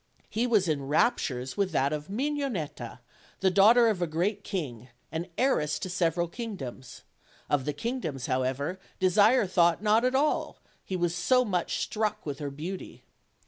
He was in raptures with that of Mignonetta, the daugh ter of a great king, and heiress to several kingdoms; of the kingdoms, however, Desire thought not at all, he was so much struck with her beauty.